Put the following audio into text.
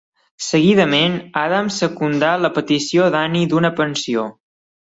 Seguidament, Adams secundà la petició d'Anne d'una pensió.